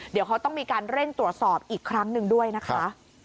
เดี๋ยวเขาต้องมีการเร่งตรวจสอบอีกครั้งหนึ่งด้วยนะคะ